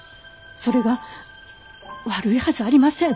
それが悪いはずありません。